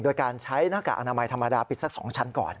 โดยการใช้หน้ากากอนามัยธรรมดาปิดสัก๒ชั้นก่อน